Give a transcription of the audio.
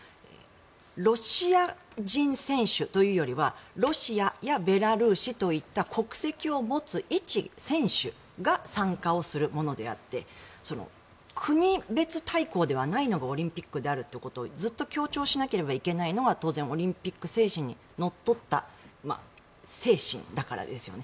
ロシア人選手というよりはロシアやベラルーシといった国籍を持つ一選手が参加をするものであって国別対抗ではないのがオリンピックであるということをずっと強調しなければいけないのは当然、オリンピック精神にのっとった精神だからですよね。